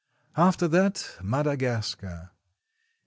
After that, Madagascar.